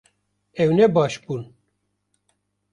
Ew ne baş bûn